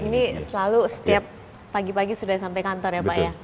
ini selalu setiap pagi pagi sudah sampai kantor ya pak ya